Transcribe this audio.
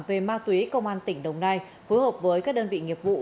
về ma túy công an tỉnh đồng nai phối hợp với các đơn vị nghiệp vụ